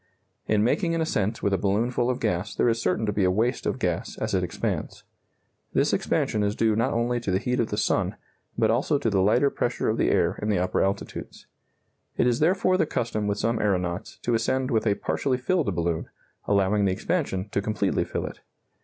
In making an ascent with a balloon full of gas there is certain to be a waste of gas as it expands. This expansion is due not only to the heat of the sun, but also to the lighter pressure of the air in the upper altitudes. It is therefore the custom with some aeronauts to ascend with a partially filled balloon, allowing the expansion to completely fill it.